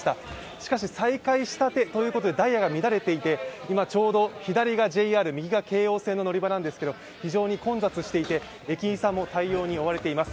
しかし、再開したてということで、ダイヤが乱れていて、今、ちょうど左がＪＲ、右が京王線の乗り場なんですけど、非常に混雑していて駅員さんも対応に追われています。